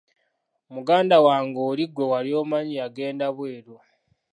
Muganda wange oli gwe wali omanyi yagenda bweru.